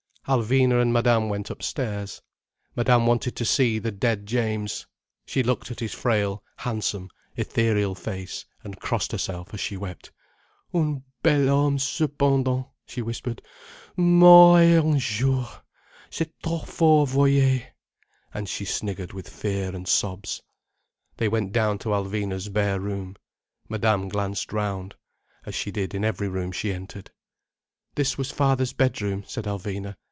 Alvina and Madame went upstairs. Madame wanted to see the dead James. She looked at his frail, handsome, ethereal face, and crossed herself as she wept. "Un bel homme, cependant," she whispered. "Mort en un jour. C'est trop fort, voyez!" And she sniggered with fear and sobs. They went down to Alvina's bare room. Madame glanced round, as she did in every room she entered. "This was father's bedroom," said Alvina.